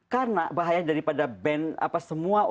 karena bahaya daripada ban apa semua